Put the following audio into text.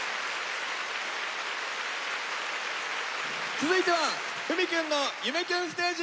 続いては「ふみキュンの夢キュンステージ」！